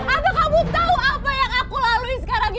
apa kamu tahu apa yang aku lalui sekarang ini